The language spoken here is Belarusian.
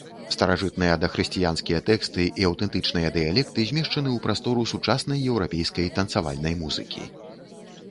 Старажытныя дахрысціянскія тэксты і аўтэнтычныя дыялекты змешчаны ў прастору сучаснай еўрапейскай танцавальнай музыкі.